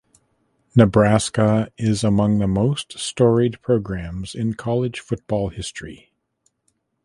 Nebraska is among the most storied programs in college football history.